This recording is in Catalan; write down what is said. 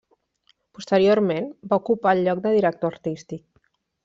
Posterior-ment va ocupar el lloc de Director Artístic.